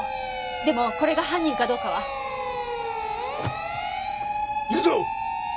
でもこれが犯人かどうかは。いくぞ！